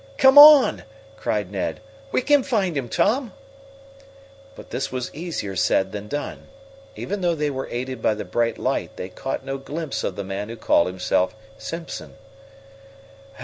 "Come on!" cried Ned. "We can find him, Tom!" But this was easier said than done. Even though they were aided by the bright light, they caught no glimpse of the man who called himself Simpson.